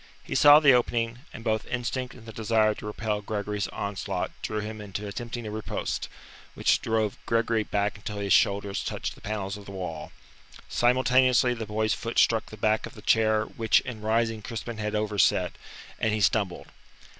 He saw the opening, and both instinct and the desire to repel Gregory's onslaught drew him into attempting a riposte, which drove Gregory back until his shoulders touched the panels of the wall. Simultaneously the boy's foot struck the back of the chair which in rising Crispin had overset, and he stumbled.